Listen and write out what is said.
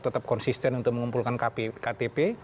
tetap konsisten untuk mengumpulkan ktp